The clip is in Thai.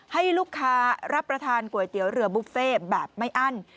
ให้ลูกค้ารับประทานก๋วยเตี๋ยวเรือบุฟเฟ่แบบไม่อั้น